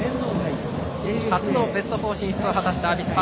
初のベスト４進出を果たしたアビスパ。